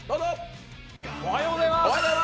おはようございます。